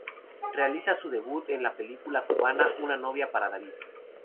Realiza su debut en la película cubana "Una novia para David".